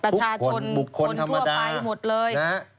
ประชาชนคนทั่วไปหมดเลย